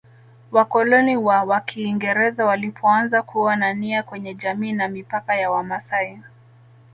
Wakoloni wa Wakiingereza walipoanza kuwa na nia kwenye jamii na mipaka ya wamasai